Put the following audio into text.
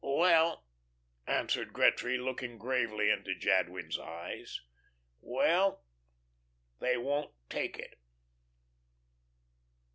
"Well," answered Gretry, looking gravely into Jadwin's eyes, "well they won't take it."